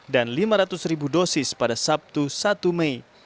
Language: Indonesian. dan lima ratus dosis pada sabtu satu mei